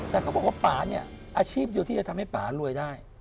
แต่เขาบอกว่าป่าเนี่ยอาชีพเดียวที่จะทำให้ป่ารวยได้